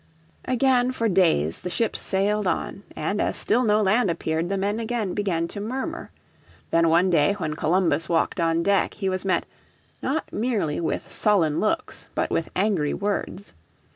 Again for days the ships sailed on, and as still no land appeared the men again began to murmur. Then one day when Columbus walked on deck he was met, not merely with sullen looks, but with angry words.